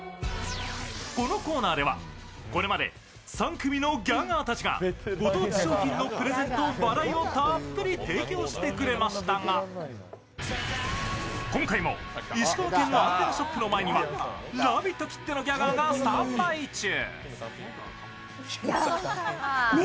このコーナーでは、これまで３組のギャガーたちがご当地商品のプレゼンと笑いをたっぷり提供してくれましたが、今回も、石川県のアンテナショップの前には「ラヴィット！」きってのギャガーがスタンバイ中。